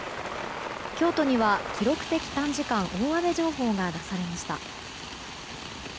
京都には記録的短時間大雨情報が出されました。